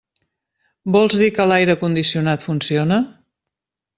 Vols dir que l'aire condicionat funciona?